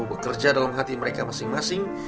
bekerja dalam hati mereka masing masing